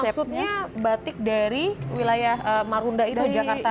maksudnya batik dari wilayah marunda itu jakarta